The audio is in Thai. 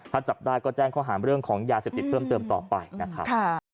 ถ้าจับได้ก็แจ้งข้อหาเรื่องของยาเสพติดเพิ่มเติมต่อไปนะครับ